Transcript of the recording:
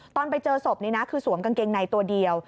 ตอนไปเจอศพนี้นะคือสวมกางเกงในตัวเดียว